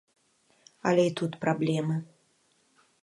Але і тут праблемы.